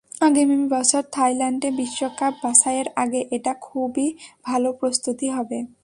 আগামী বছর থাইল্যান্ডে বিশ্বকাপ বাছাইয়ের আগে এটা খুবই ভালো প্রস্তুতি হবে।